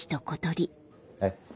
えっ？